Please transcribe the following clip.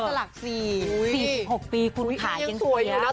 หลัก๔๖ปีคุณขายังเตี๋ยว